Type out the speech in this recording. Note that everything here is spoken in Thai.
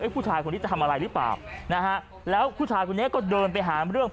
ผู้ชายคนนี้จะทำอะไรหรือเปล่านะฮะแล้วผู้ชายคนนี้ก็เดินไปหาเรื่อง